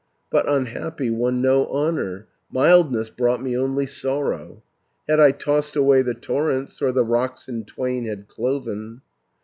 But, unhappy, won no honour, Mildness brought me only sorrow, Had I tossed away the torrents, Or the rocks in twain had cloven.